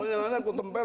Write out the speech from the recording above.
menurut anda aku teman